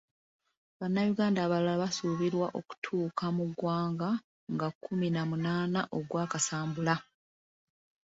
Bannayuganda abalala basuubirwa okutuuka mu ggwanga nga kumi na munaana oggwa Kasambula.